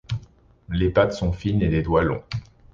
Les pattes sont fines et les doigts longs.